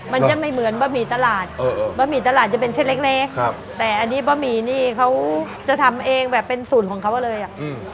มันจะไม่เหมือนบะหมี่ตลาดเออบะหมี่ตลาดจะเป็นเส้นเล็กเล็กครับแต่อันนี้บะหมี่นี่เขาจะทำเองแบบเป็นสูตรของเขาเลยอ่ะอืม